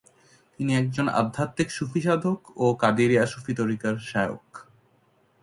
তিনি একজন আধ্যাত্মিক সুফি সাধক ও কাদেরিয়া সুফি তরিকার শায়খ।